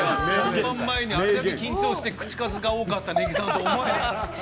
本番前にあれだけ緊張して口数が多かった根木さんとは思えない。